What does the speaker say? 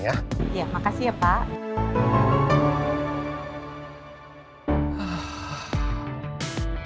iya makasih ya pak